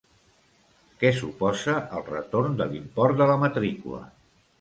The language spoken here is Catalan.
Què suposa el retorn de l'import de la matrícula?